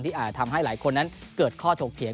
อาจทำให้หลายคนนั้นเกิดข้อถกเถียง